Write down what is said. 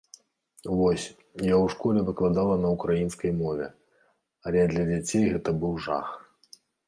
Вось, я ў школе выкладала на ўкраінскай мове, але для дзяцей гэта быў жах.